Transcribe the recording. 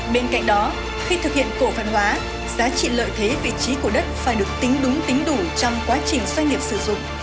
bên cạnh đó khi thực hiện cổ phần hóa giá trị lợi thế vị trí của đất phải được tính đúng tính đủ trong quá trình doanh nghiệp sử dụng